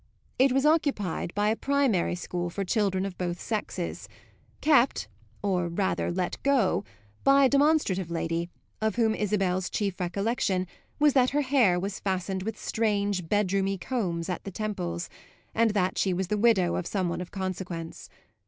It was occupied by a primary school for children of both sexes, kept or rather let go, by a demonstrative lady of whom Isabel's chief recollection was that her hair was fastened with strange bedroomy combs at the temples and that she was the widow of some one of consequence.